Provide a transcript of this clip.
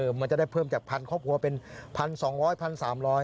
มันจะได้เพิ่มจากพันครอบครัวเป็น๑๒๐๐๑๓๐๐บาท